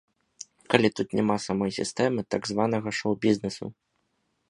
Калі тут няма самой сістэмы так званага шоу-бізнесу!